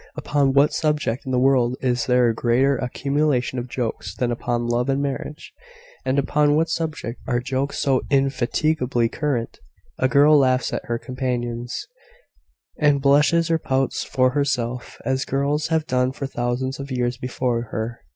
Upon what subject in the world is there a greater accumulation of jokes than upon love and marriage; and upon what subject are jokes so indefatigably current? A girl laughs at her companions, and blushes or pouts for herself; as girls have done for thousands of years before her.